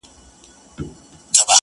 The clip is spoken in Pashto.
میاشته کېږي بې هویته، بې فرهنګ یم~